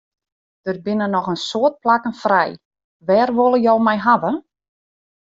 Der binne noch in soad plakken frij, wêr wolle jo my hawwe?